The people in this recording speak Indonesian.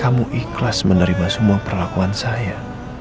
kamu ikhlas menerima semua perlakuan saya